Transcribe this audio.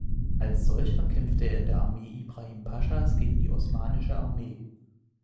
Als solcher kämpfte er in der Armee Ibrahim Paschas gegen die Osmanische Armee.